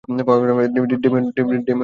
Damien, থামো বলছি!